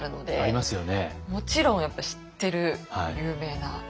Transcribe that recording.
もちろんやっぱ知ってる有名な。